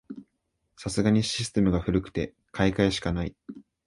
さすがにシステムが古くて買い替えしかない